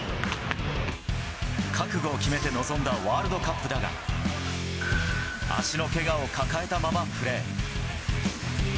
覚悟を決めて臨んだワールドカップだが、足のけがを抱えたままプレー。